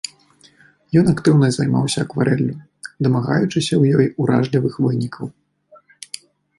Ён актыўна займаўся акварэллю, дамагаючыся ў ёй уражлівых вынікаў.